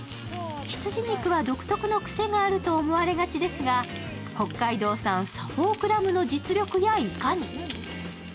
羊肉は独特のクセがあると思われがちですが北海道産サフォークラムの実力やいかに。